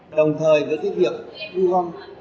đồng thời với cái việc thu gom